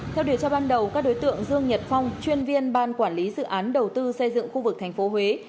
theo điều tra ban đầu các đối tượng dương nhật phong chuyên viên ban quản lý dự án đầu tư xây dựng khu vực tp huế